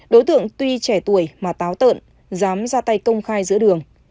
đối tượng tuy trẻ tuổi mà táo tợn dám ra tay công khai giữa đường